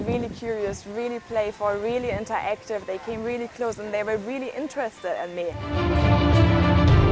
mereka sangat menarik sangat berguna sangat interaktif mereka datang dengan sangat dekat dan mereka sangat menarik